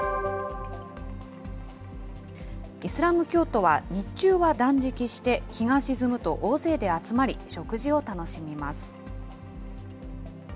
イスラム教徒は、日中は断食して、日が沈むと大勢で集まり、食事を楽しみます。